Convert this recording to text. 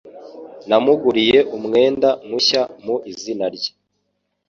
Namuguriye umwenda mushya mu izina rye.